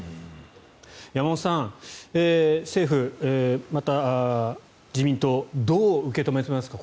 山本さん政府、また自民党どう受け止めていますか。